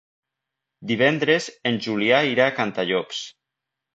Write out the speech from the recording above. Divendres en Julià irà a Cantallops.